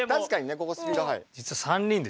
ここスピード速い。